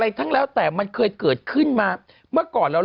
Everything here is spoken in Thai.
อึกอึกอึกอึกอึกอึกอึกอึกอึกอึก